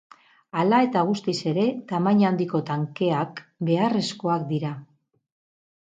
Hala eta gutiz ere tamaina handiko tankeak beharrezkoak dira.